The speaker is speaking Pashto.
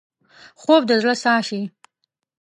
خوب د زړه ساه شي